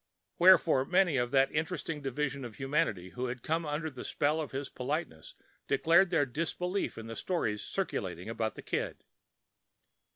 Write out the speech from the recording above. Wherefore many of that interesting division of humanity who had come under the spell of his politeness declared their disbelief in the stories circulated about Mr. Kid.